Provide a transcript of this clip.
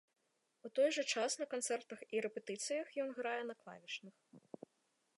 У той жа час на канцэртах і рэпетыцыях ён грае на клавішных.